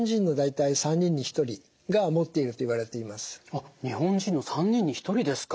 あっ日本人の３人に１人ですか。